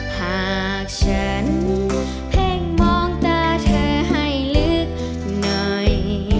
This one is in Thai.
หากฉันเพ่งมองตาเธอให้ลึกหน่อย